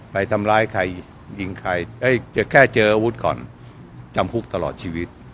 ไปทำร้ายใครยิงใครจะแค่เจออาวุธก่อนจำคุกตลอดชีวิต